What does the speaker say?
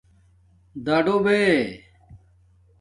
دَڈݸ بے